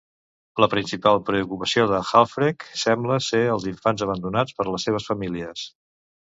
La principal preocupació de Halfrek sembla ser els infants abandonats per les seves famílies.